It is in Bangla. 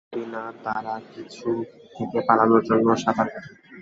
যদি না তারা কিছু থেকে পালানোর জন্য সাঁতার কাটে।